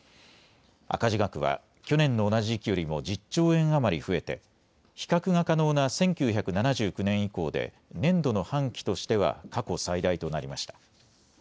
赤字額は去年の同じ時期よりも１０兆円余り増えて比較が可能な１９７９年以降で年度の半期としては過去最大となりました。